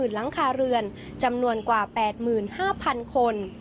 หลังคาเรือนจำนวนกว่า๘๕๐๐๐คน